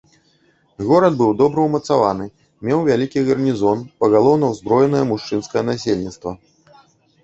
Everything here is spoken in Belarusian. Горад быў добра ўмацаваны, меў вялікі гарнізон, пагалоўна ўзброенае мужчынскае насельніцтва.